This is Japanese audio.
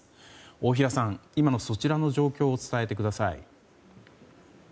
大平さん、今のそちらの状況を伝えてください。